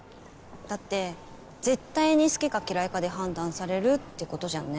だって絶対に好きか嫌いかで判断されるってことじゃんね